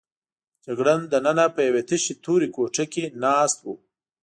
جګړن دننه په یوې تشې تورې کوټې کې ناست و.